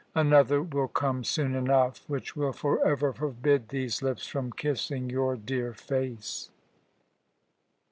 Another will come soon enough, which will forever forbid these lips from kissing your dear face."